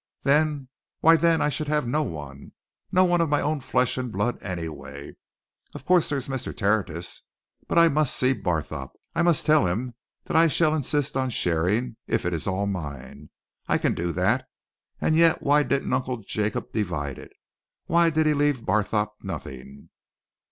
"Then why, then I should have no one! No one of my own flesh and blood, anyway. Of course, there's Mr. Tertius. But I must see Barthorpe. I must tell him that I shall insist on sharing if it's all mine, I can do that. And yet why didn't Uncle Jacob divide it? Why did he leave Barthorpe nothing?"